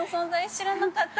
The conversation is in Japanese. ◆知らなかった。